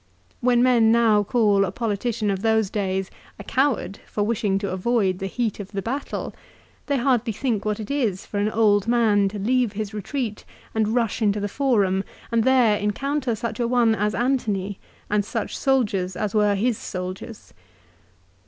When men now call a politician of those days a coward for wishing to avoid the heat of the battle, they hardly think what it is for an old man to leave his retreat and rush into the Forum, and there encounter such a one as Antony and such soldiers as were his soldiers.